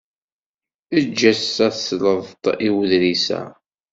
Eg-as tasleḍt i uḍris-a.